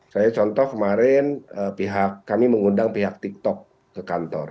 saya contoh kemarin kami mengundang pihak tiktok ke kantor